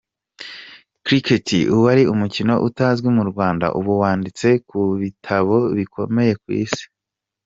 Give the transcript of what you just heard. Cricket: Wari umukino utazwi mu Rwanda, ubu wanditswe mu bitabo bikomeye ku isi.